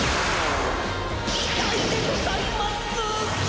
痛いでございます！